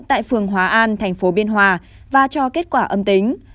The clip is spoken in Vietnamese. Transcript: tại phường hóa an thành phố biên hòa và cho kết quả âm tính